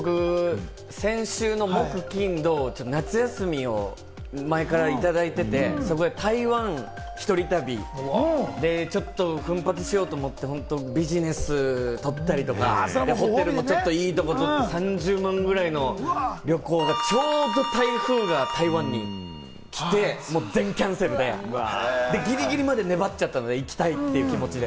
まさに先週の木、金、土と夏休みを前からいただいてて、台湾一人旅で、ちょっと奮発しようと思ってビジネスを取ったりとか、ホテルもちょっといいとこ取って、３０万ぐらいの旅行がちょうど台風が台湾に来て、全キャンセルで、ギリギリまで粘っちゃったんで、行きたいって気持ちで。